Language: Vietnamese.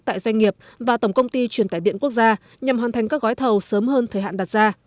tại doanh nghiệp và tổng công ty truyền tải điện quốc gia nhằm hoàn thành các gói thầu sớm hơn thời hạn đặt ra